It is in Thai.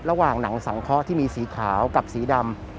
ระหว่างหนังสังเคราะห์ที่มีสีขาวกับสีดำ